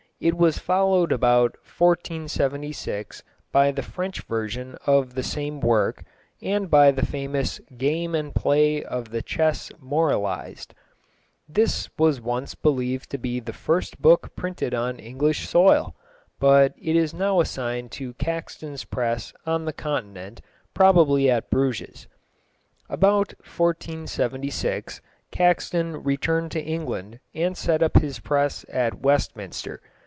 It was followed about 1476 by the French version of the same work, and by the famous Game and Play of the Chesse Moralised. This was once believed to be the first book printed on English soil, but it is now assigned to Caxton's press on the Continent, probably at Bruges. About 1476 Caxton returned to England, and set up his press at Westminster.